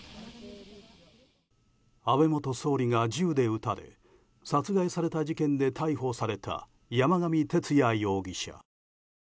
安倍元総理が銃で撃たれ殺害された事件で逮捕された山上徹也容疑者。